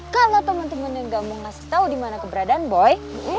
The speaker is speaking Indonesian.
kalau teman teman yang gak mau ngasih tau di mana keberadaan boy